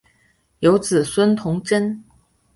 有子孙同珍。